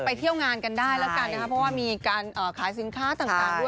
เที่ยวงานกันได้แล้วกันนะครับเพราะว่ามีการขายสินค้าต่างด้วย